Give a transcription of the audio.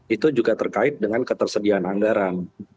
itu juga terkait dengan ketersediaan anggaran